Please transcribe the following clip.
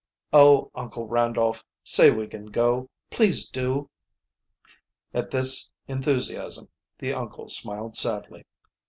"Oh, Uncle Randolph, say we can go; please do!" At this enthusiasm the uncle smiled sadly.